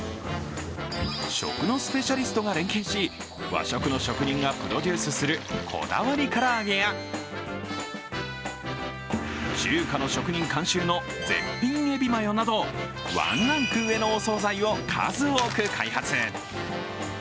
食のスペシャリストが連携し和食の職人がプロデュースするこだわり唐揚げや、中華の職人監修の絶品エビマヨなど、ワンランク上のお総菜を数多く開発。